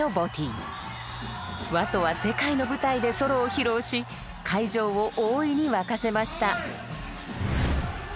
ＷＡＴＯは世界の舞台でソロを披露し会場を大いに沸かせました。